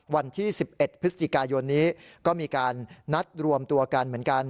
วันที่๑๑พฤศจิกายนนี้ก็มีการนัดรวมตัวกันเหมือนกัน